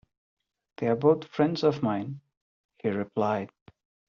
"They are both friends of mine," he replied.